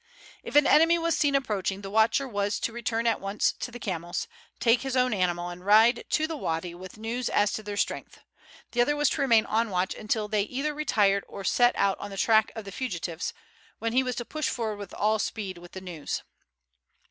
If an enemy was seen approaching the watcher was to return at once to the camels, take his own animal, and ride to the wady with news as to their strength; the other was to remain on watch until they either retired or set out on the track of the fugitives, when he was to push forward with all speed with the news.